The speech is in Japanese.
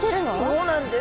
そうなんです。